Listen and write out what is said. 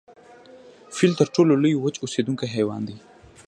فیل تر ټولو لوی وچ اوسیدونکی حیوان دی